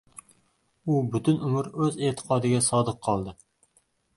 U butun umr o‘z e’tiqodiga sodiq qoldi